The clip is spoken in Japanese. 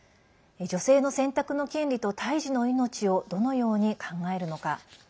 女性の選択の権利と胎児の命をどのように考えるのか。